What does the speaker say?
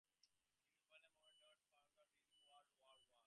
The republican movement dwindled further during and after World War One.